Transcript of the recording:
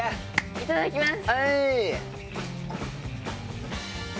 いただきます！